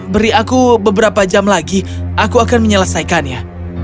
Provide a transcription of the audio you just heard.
beri aku beberapa jam lagi aku akan menyelesaikannya